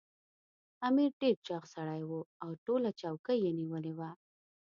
امیر ډېر چاغ سړی وو او ټوله چوکۍ یې نیولې وه.